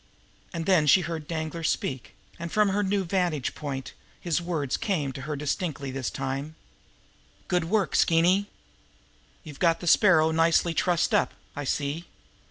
And then she heard Danglar speak, and from her new vantage point his words came to her distinctly this time: "Good work, Skeeny! You've got the Sparrow nicely trussed up, I see.